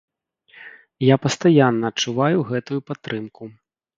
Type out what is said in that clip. Я пастаянна адчуваю гэтую падтрымку.